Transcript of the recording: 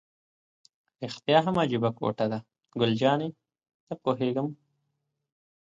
رښتیا هم عجیبه کوټه ده، ګل جانې: نه پوهېږم.